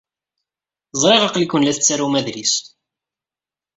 Ẓṛiɣ aql-iken la tettarum adlis.